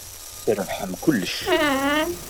Trebḥem kullec.